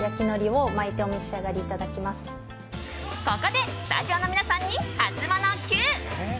ここでスタジオの皆さんにハツモノＱ。